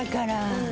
うん。